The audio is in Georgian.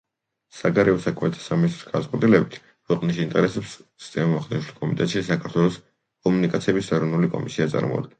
საგარეო საქმეთა სამინისტროს გადაწყვეტილებით, ქვეყნის ინტერესებს ზემოაღნიშნულ კომიტეტში საქართველოს კომუნიკაციების ეროვნული კომისია წარმოადგენს.